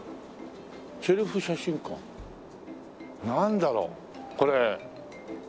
なんだろう？これ。